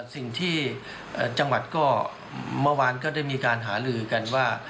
สิ่งที่จังหวัดก็เมื่อวานก็ได้มีการหาลือกันว่า